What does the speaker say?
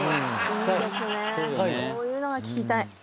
こういうのが聞きたい。